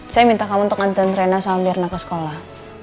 saya minta kamu untuk ngantuin rena sama mirna ke sekolah